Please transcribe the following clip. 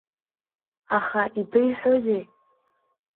Аха ибеиҳәозеи?